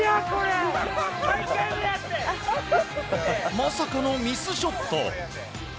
まさかのミスショット。